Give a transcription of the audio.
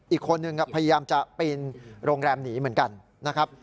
อีกคนนึงพยายามจะปีนโรงแรมหนีเหมือนกันนะครับ